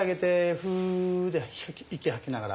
フー息吐きながら。